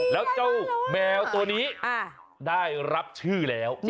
แล้วเจ้าแมวตัวนี้ได้รับชื่อแล้ว